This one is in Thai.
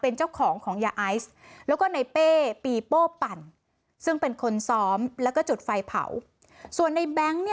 นางแอดเป็นผู้